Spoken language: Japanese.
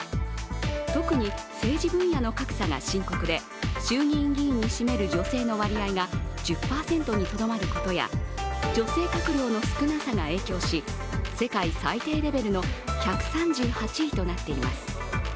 特に政治分野の格差が深刻で衆議院議員に占める女性の割合が１０％にとどまることや女性閣僚の少なさが影響し世界最低レベルの１３８位となっています。